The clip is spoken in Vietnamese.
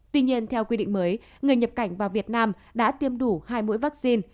tuy nhiên theo quy định mới người nhập cảnh vào việt nam đã tiêm đủ hai mũi vaccine